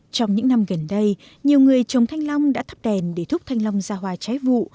trong những năm gần đây nhiều người trồng thanh long đã thắp đèn để thúc thanh long ra hoa trái vụ